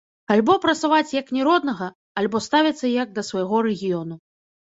Альбо прасаваць як не роднага, альбо ставіцца як да свайго рэгіёну.